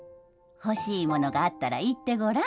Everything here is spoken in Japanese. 欲しいものがあったら、言ってごらん。